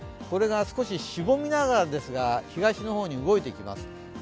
これが少ししぼみながらですが東の方に動いていきます。